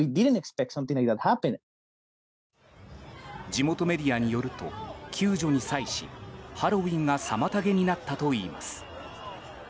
地元メディアによると救助に際しハロウィーンが妨げになったといいます。